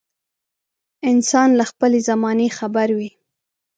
انسان له خپلې زمانې خبر وي.